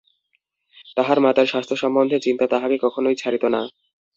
তাহার মাতার স্বাস্থ্য সম্বন্ধে চিন্তা তাহাকে কখনোই ছাড়িত না।